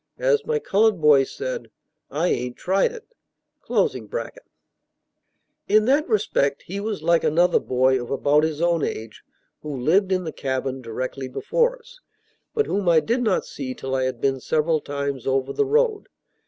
As my colored boy said, "I ain't tried it."] In that respect he was like another boy of about his own age, who lived in the cabin directly before us, but whom I did not see till I had been several times over the road.